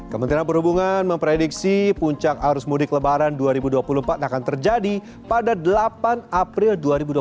kementerian perhubungan memprediksi puncak arus mudik lebaran dua ribu dua puluh empat akan terjadi pada delapan april dua ribu dua puluh empat